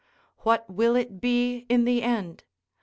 What will it be in the end?